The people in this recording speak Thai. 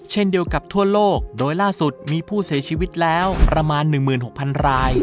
เช่นเดียวกับทั่วโลกโดยล่าสุดมีผู้เสียชีวิตแล้วประมาณ๑๖๐๐๐ราย